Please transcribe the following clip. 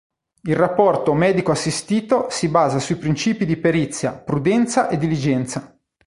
Il rapporto medico-assistito si basa sui principi di perizia, prudenza e diligenza.